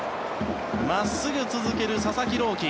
真っすぐ続ける佐々木朗希。